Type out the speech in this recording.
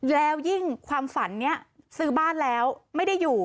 แล้วยิ่งความฝันนี้ซื้อบ้านแล้วไม่ได้อยู่